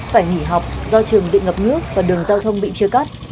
phải nghỉ học do trường bị ngập nước và đường giao thông bị chia cắt